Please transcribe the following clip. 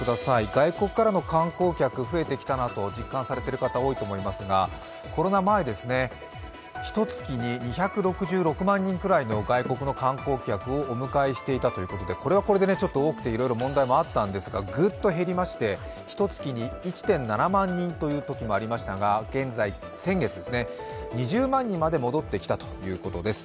外国からの観光客増えてきたなと実感されている方多いと思いますがコロナ前、ひと月に２６６万人ぐらいの外国の観光客をお迎えしていたということでこれはこれで多くていろいろ問題もあったんですがぐっと減りましてひと月に１．７万人ということもありましたが先月は２０万人まで戻ってきたということです。